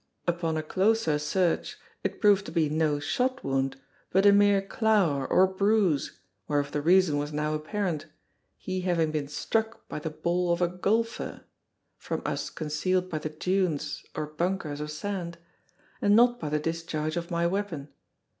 Upon a closer search it proved to be no shot wound, but a mere clour, or bruise, whereof the reason was now apparent, he having been struck by the ball of a golfer (from us concealed by the dunes, or bunkers, of sand) and not by the discharge of my weapon.